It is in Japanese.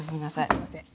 すいません。